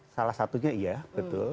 salah satunya iya betul